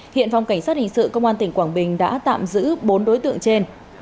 hiện phòng cảnh sát hình sự công an tỉnh quảng bình đã tạm giữ bốn đối tượng trên